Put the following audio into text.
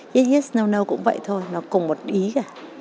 yes yes no no cũng vậy thôi nó cùng một ý cả